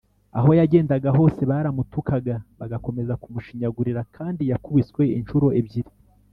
aho yagendaga hose baramutukaga, bakomeza kumushinyagurira, kandi yakubiswe incuro ebyiri,